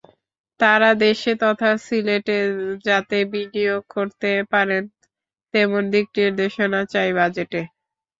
তাঁরা দেশে তথা সিলেটে যাতে বিনিয়োগ করতে পারেন তেমন দিকনির্দেশনা চাই বাজেটে।